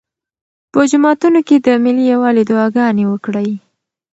په جوماتونو کې د ملي یووالي دعاګانې وکړئ.